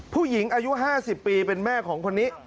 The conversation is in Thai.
ผู้หญิงอายุ๕๐ปีเป็นแม่ของคนนี้